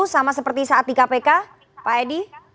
apakah itu yang akan terjadi saat di kpk pak edi